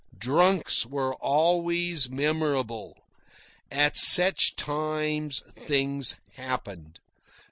Drunks were always memorable. At such times things happened.